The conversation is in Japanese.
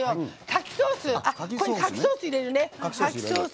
かきソース入れるね。